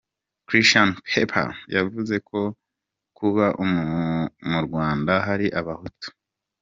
Christian Paper yavuze ko kuba mu Rwanda hari abahutu